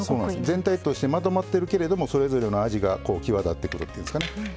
全体としてまとまってるけれどもそれぞれの味が際立ってくるっていうんですかね。